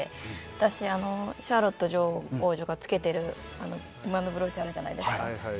私、シャーロット王女が着けている馬のブローチあるじゃないですか。